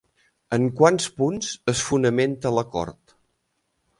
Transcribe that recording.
En quants punts es fonamenta l'acord?